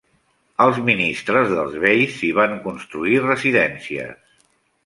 Els ministres dels beis s'hi van construir residències.